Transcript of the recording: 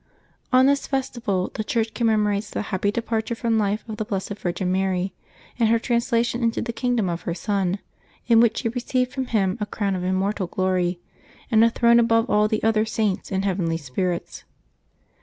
OTS this festival the Church commemorates the happy departure from life of the Blessed Virgin Mary, and her translation into the kingdom of her Son, in which she received from Him a crown of immortal glory, and a throne above all the other Saints and heavenly spirits.